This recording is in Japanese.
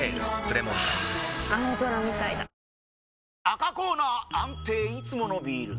赤コーナー安定いつものビール！